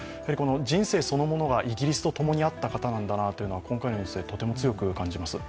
人生そのものがイギリスと共にあった方なんだなというのを今回のニュースでとても強く感じます。